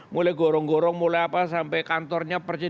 mulai gorong gorong mulai apa sampai kantornya persis